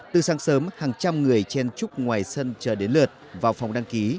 từ sáng sớm hàng trăm người chen trúc ngoài sân chờ đến lượt vào phòng đăng ký